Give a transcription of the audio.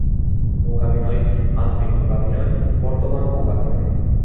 মূকাভিনয়, আধুনিক মূকাভিনয়, বর্তমান মূকাভিনয়।